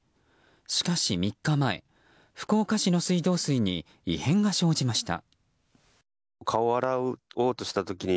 しかし３日前、福岡市の水道水に異変が生じました。